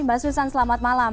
mbak susan selamat malam